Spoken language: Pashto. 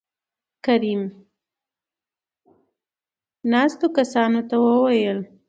کريم : ناستو کسانو ته وويل